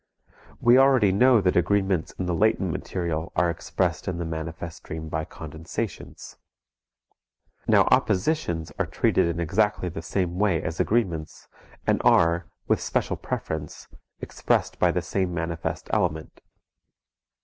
We already know that agreements in the latent material are expressed in the manifest dream by condensations. Now oppositions are treated in exactly the same way as agreements and are, with special preference, expressed by the same manifest element.